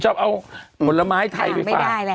จะเอาผลไม้ไทยไปฝาก